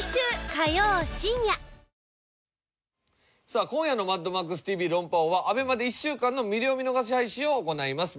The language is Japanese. さあ今夜の『マッドマックスＴＶ論破王』はＡＢＥＭＡで１週間の無料見逃し配信を行います。